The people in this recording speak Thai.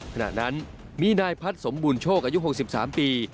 ขณะนั้นมีนายพัฒน์สมบูรณโชคอายุ๖๓ปี